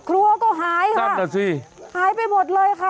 ครัวก็หายค่ะหายไปหมดเลยค่ะ